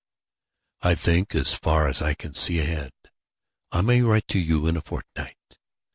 I think, as far as I can see ahead, I may write to you in a fortnight.